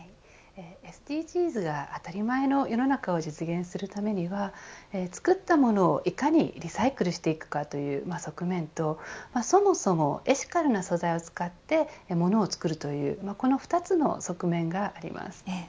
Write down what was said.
ＳＤＧｓが当たり前の世の中を実現するためには作ったものをいかにリサイクルしていくかという側面とそもそもエシカルな素材を使って物を作るというこの２つの側面があります。